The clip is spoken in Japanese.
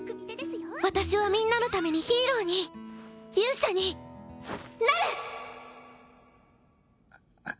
私はみんなのためにヒーローにあっあぁ。